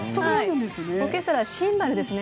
オーケストラはシンバルですね。